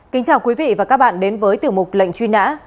kính chào quý vị và các bạn đến với tiểu mục lệnh truy nã